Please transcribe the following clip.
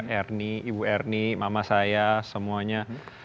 ernie ibu ernie mama saya semuanya